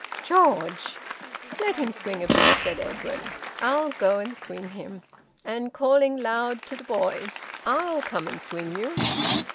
"George!" "Let him swing a bit," said Edwin. "I'll go and swing him." And calling loud to the boy: "I'll come and swing you."